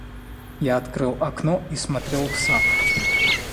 Я открыл окно и смотрел в сад.